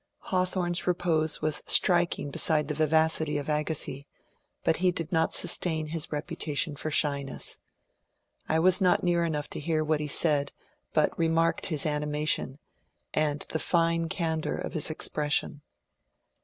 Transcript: Hawthorne's repose was striking beside the vivacity of Agassiz, but he did not sustain his reputation for shyness. I was not near enough to hear what he said but remarked his animation, and the fine can dour of his expression.